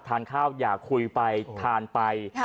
ทานข้าวอย่าคุยไปทานไป